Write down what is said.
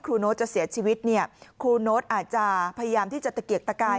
โน้ตจะเสียชีวิตเนี่ยครูโน๊ตอาจจะพยายามที่จะตะเกียกตะกาย